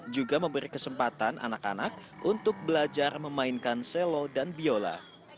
juga memberi kesempatan anak anak untuk belajar memainkan selo dan biola